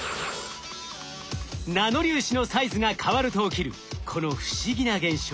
ナノ粒子のサイズが変わると起きるこの不思議な現象。